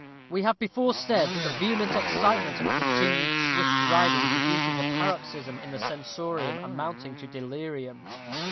We have before said that the vehement excitement of continued swift riding produces a paroxysm in the sensorium amounting to delirium.